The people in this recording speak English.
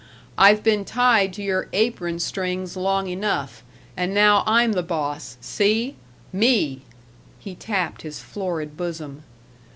I've been tied to your apron strings long enough, and now I'm the boss see? Me!" He tapped his florid bosom.